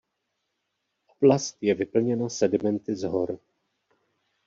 Oblast je vyplněna sedimenty z hor.